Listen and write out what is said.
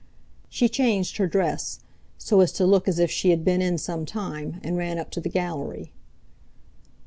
She changed her dress, so as to look as if she had been in some time, and ran up to the gallery.